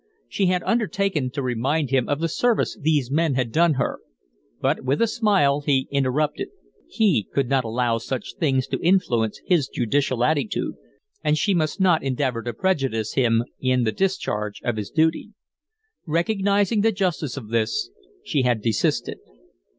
She had undertaken to remind him of the service these men had done her, but, with a smile, he interrupted; he could not allow such things to influence his judicial attitude, and she must not endeavor to prejudice him in the discharge of his duty. Recognizing the justice of this, she had desisted.